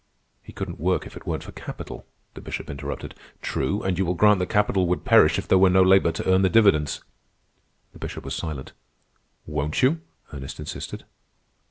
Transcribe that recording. "He couldn't work if it weren't for capital," the Bishop interrupted. "True, and you will grant that capital would perish if there were no labor to earn the dividends." The Bishop was silent. "Won't you?" Ernest insisted.